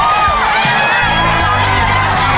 โอ้หมดทีละสองตัวแล้วนะฮะ